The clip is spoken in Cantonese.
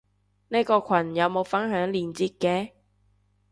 呢個羣有冇分享連接嘅？